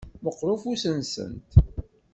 Meqqeṛ ufus-nsent.